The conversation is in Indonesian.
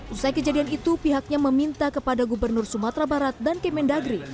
setelah kejadian itu pihaknya meminta kepada gubernur sumatera barat dan kementerian negeri